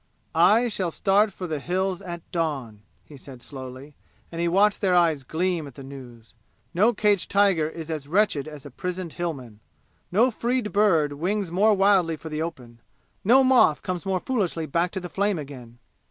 "I shall start for the Hills at dawn," he said slowly, and he watched their eyes gleam at the news. No caged tiger is as wretched as a prisoned Hillman. No freed bird wings more wildly for the open. No moth comes more foolishly back to the flame again.